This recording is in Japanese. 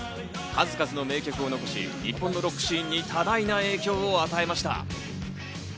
数々の名曲を残し、日本のロックシーンに多大な影響を与えました。